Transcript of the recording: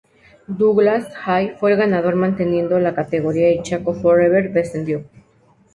Douglas Haig fue el ganador, manteniendo la categoría, y Chaco For Ever descendió.